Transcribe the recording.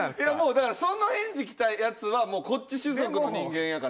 だからその返事来たヤツはこっち種族の人間やから。